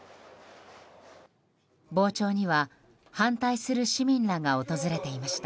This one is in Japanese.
傍聴には、反対する市民らが訪れていました。